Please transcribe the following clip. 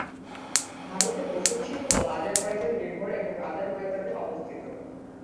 ভারতের ঔষধ শিল্প আজারবাইজান নির্ভর এবং আজারবাইজানে অবস্থিত।